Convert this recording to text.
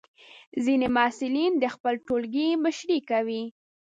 ځینې محصلین د خپل ټولګي مشري کوي.